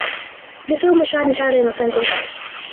The film was shot entirely in Los Angeles.